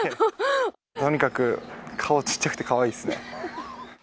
とにかく顔小っちゃくて、かわいいですね。